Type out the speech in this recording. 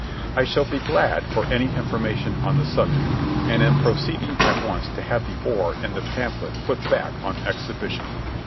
I shall be glad for any information on the subject, and am proceeding at once to have the oar and the pamphlet put back on exhibition.